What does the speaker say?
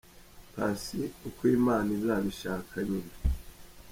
Paccy : Uko Imana izabishaka nyine.